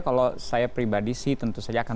kalau saya pribadi sih tentu saja akan